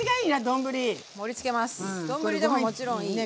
丼でももちろんいい。